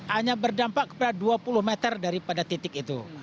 hanya berdampak kepada dua puluh meter daripada titik itu